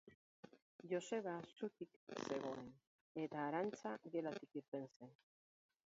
Joseba zutik zegoen, eta Arantza gelatik irten zen.